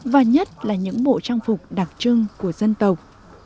và nhất là những bộ trang phục đặc trưng của dân tộc